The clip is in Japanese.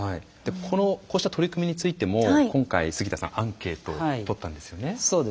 こうした取り組みについても今回杉田さんアンケートをとったんですよね。